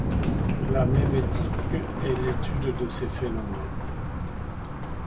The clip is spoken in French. La mémétique est l'étude de ces phénomènes.